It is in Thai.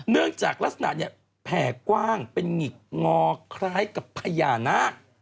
เนื่องจากลักษณะเนี่ยแผ่กว้างเป็นหงิกงอคล้ายกับพญานาค